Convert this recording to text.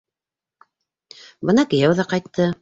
Бына кейәү ҙә ҡайтты.